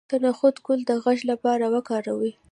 د نخود ګل د غږ لپاره وکاروئ